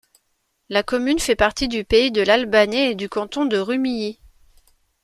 La commune fait partie du pays de l'Albanais et du canton de Rumilly.